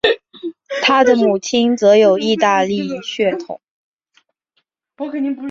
他的母亲则有意大利血统。